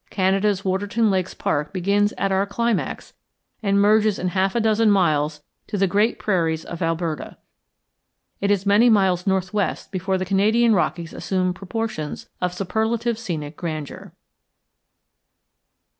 Canada's Waterton Lakes Park begins at our climax and merges in half a dozen miles into the great prairies of Alberta. It is many miles northwest before the Canadian Rockies assume proportions of superlative scenic grandeur.